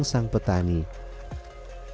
melalui tempat yang terbuka